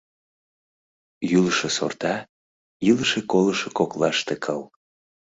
Йӱлышӧ сорта — илыше-колышо коклаште кыл.